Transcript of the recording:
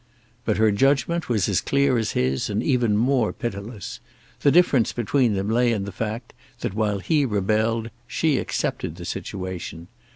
But her judgment was as clear as his, and even more pitiless; the difference between them lay in the fact that while he rebelled, she accepted the situation.